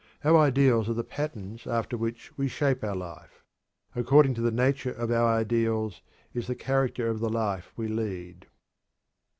Our ideals are the patterns after which we shape our life. According to the nature of our ideals is the character of the life we lead.